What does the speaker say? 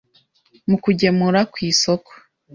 mu kugemura ku isoko,